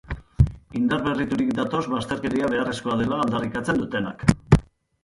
Indar berriturik datoz bazterkeria beharrezkoa dela aldarrikatzen dutenak.